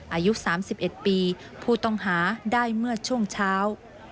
อายุ๓๑ปีผู้ต้องหาได้เมื่อช่วงเช้า